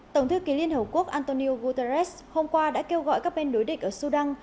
tổng thư ký liên hợp quốc antonio guterres hôm qua đã kêu gọi các bên đối địch ở sudan